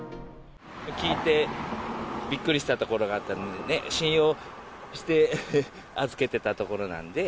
聞いてびっくりしたところがあったので、信用して預けてた所なんで。